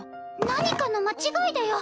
何かの間違いだよ！